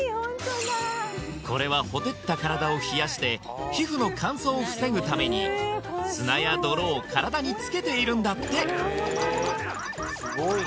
これはほてった体を冷やして皮膚の乾燥を防ぐために砂や泥を体につけているんだって！